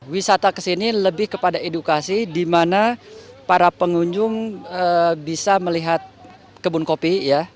wisata kesini lebih kepada edukasi di mana para pengunjung bisa melihat kebun kopi